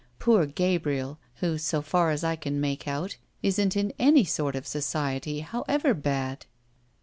Poor Gabriel, who, so far as I can make out, isn't in any sort of society, however bad!"